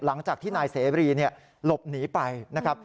หลังจากที่นายเสรีหลบหนีไปนะครับ